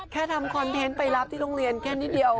ทำคอนเทนต์ไปรับที่โรงเรียนแค่นิดเดียว